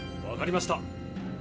わかりました。